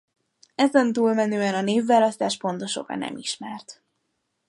Ezen túlmenően a névválasztás pontos oka nem ismert.